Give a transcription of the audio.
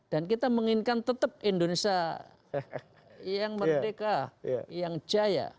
dan kita menginginkan tetap indonesia yang merdeka yang jaya